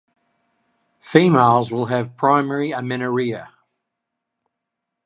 Females will have primary amenorrhea.